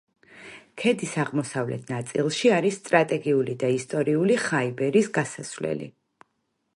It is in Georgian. ქედის აღმოსავლეთ ნაწილში არის სტრატეგიული და ისტორიული ხაიბერის გასასვლელი.